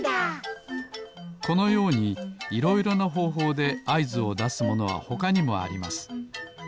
このようにいろいろなほうほうであいずをだすものはほかにもあります。